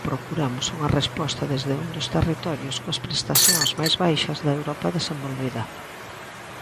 Procuramos unha resposta desde un dos territorios coas prestacións máis baixas da Europa desenvolvida.